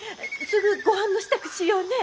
すぐごはんの支度しようね。